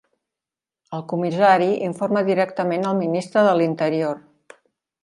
El comissari informa directament al Ministre de l"interior.